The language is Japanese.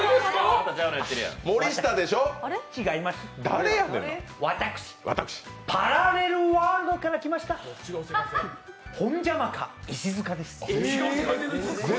違います、私、パラレルワールドから来ました、ホンジャマカ・石塚です。